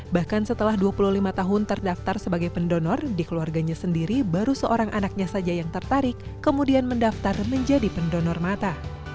bahkan setelah dua puluh lima tahun terdaftar sebagai pendonor di keluarganya sendiri baru seorang anaknya saja yang tertarik kemudian mendaftar menjadi pendonor mata